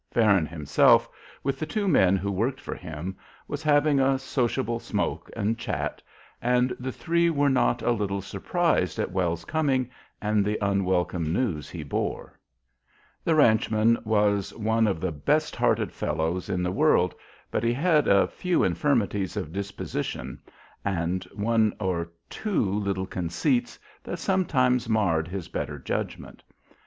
Farron himself, with the two men who worked for him, was having a sociable smoke and chat, and the three were not a little surprised at Wells's coming and the unwelcome news he bore. The ranchman was one of the best hearted fellows in the world, but he had a few infirmities of disposition and one or two little conceits that sometimes marred his better judgment.